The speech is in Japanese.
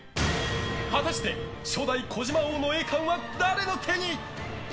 果たして初代児嶋王の栄冠は誰の手に。